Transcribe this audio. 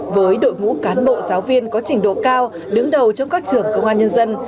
với đội ngũ cán bộ giáo viên có trình độ cao đứng đầu trong các trường công an nhân dân